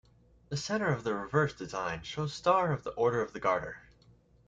The centre of the reverse design shows Star of the Order of the Garter.